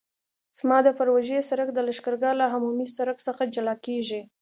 زما د پروژې سرک د لښکرګاه له عمومي سرک څخه جلا کیږي